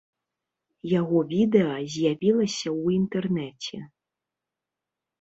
Яго відэа з'явілася ў інтэрнэце.